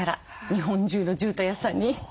日本中のじゅうたん屋さんに。